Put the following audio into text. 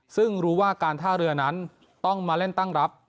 ซึ่งรู้ว่าการท่าเรือนั้นต้องมาเล่นตั้งรับ